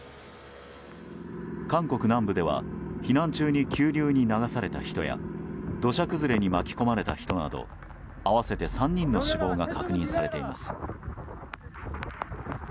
韓国南部では避難中に急流に流された人や土砂崩れに巻き込まれた人など合わせて３人の死亡が確認されています。